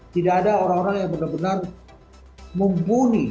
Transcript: tidak ada orang orang yang benar benar mumpuni